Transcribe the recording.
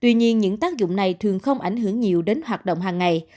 tuy nhiên những tác dụng này thường không ảnh hưởng nhiều đến hoạt động hàng ngày